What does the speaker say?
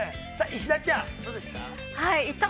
石田ちゃん、どうでした。